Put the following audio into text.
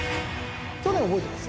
去年覚えてます？